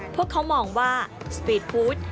พวกเขามองว่าสปีดฟู้ด